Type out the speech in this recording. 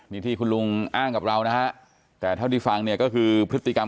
นี่ที่คุณลุงอ้างกับเรานะฮะแต่เท่าที่ฟังเนี่ยก็คือพฤติกรรม